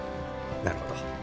なるほど。